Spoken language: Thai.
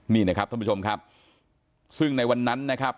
นี่นะครับท่านผู้ชมครับซึ่งในวันนั้นนะครับ